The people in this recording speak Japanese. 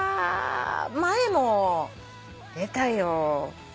前も出たよ。